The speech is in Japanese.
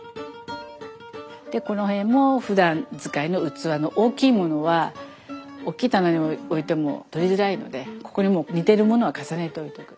でこの辺もふだん使いの器の大きいものは大きい棚に置いても取りづらいのでここに似てるものは重ねて置いとく。